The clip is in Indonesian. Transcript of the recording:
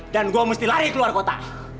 dan gue mesti lari keluar kota